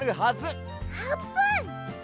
あーぷん！